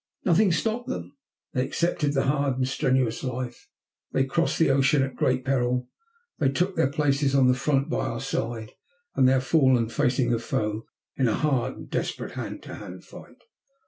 "Nothing stopped them. They accepted the hard and strenuous life; they crossed the ocean at great peril; they took their places on the front by our side, and they have fallen facing the foe in a hard and desperate hand to hand fight.